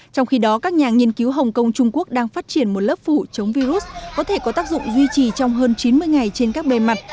trong khi đó các nhà nghiên cứu hồng kông trung quốc đang phát triển một lớp phủ chống virus có thể có tác dụng duy trì trong hơn chín mươi ngày trên các bề mặt